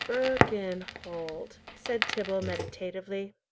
"Birkenholt," said Tibble, meditatively.